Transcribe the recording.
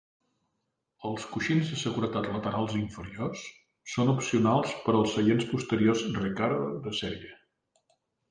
Els coixins de seguretat laterals inferiors són opcionals per als seients posteriors Recaro de sèrie.